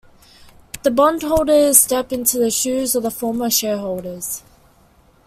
The bondholders step into the shoes of the former shareholders.